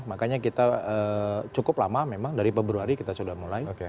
makanya kita cukup lama memang dari februari kita sudah mulai